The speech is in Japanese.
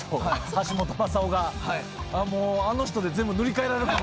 橋本まさをがあの人で全部塗り替えられる。